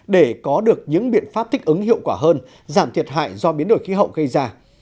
để có được những biện pháp thích ứng hiệu quả hơn giảm thiệt hại do biến đổi khí hậu gây ra